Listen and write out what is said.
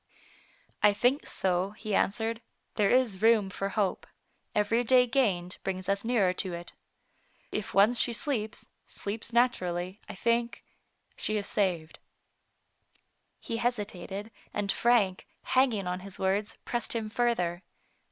" I think so, he answered ;" there is room for hope. Every day gained brings us nearer to it. If once she sleeps, sleeps naturally, I think — she is saved. He hesitated, and Frank, hanging on his words, pressed him further.